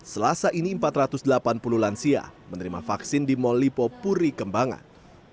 selasa ini empat ratus delapan puluh lansia menerima vaksin di mall lipo puri kembangan